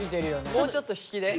もうちょっと引きで？